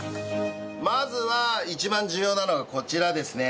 まずは一番重要なのがこちらですね。